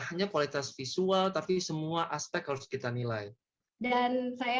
hanya kualitas visual tapi semua aspek harus kita nilai dan saya